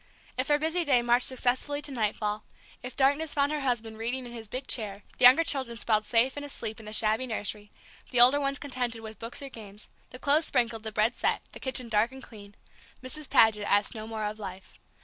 If her busy day marched successfully to nightfall; if darkness found her husband reading in his big chair, the younger children sprawled safe and asleep in the shabby nursery, the older ones contented with books or games, the clothes sprinkled, the bread set, the kitchen dark and clean; Mrs. Paget asked no more of life.